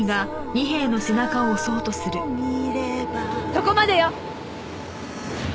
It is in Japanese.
そこまでよ！